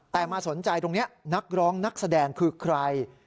แต่มาสนใจตรงนี้นักร้องนักแสดงคือใคร